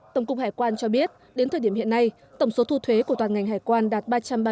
tổng cục hải quan cho biết đến thời điểm hiện nay tổng số thu thuế của toàn ngành hải quan đạt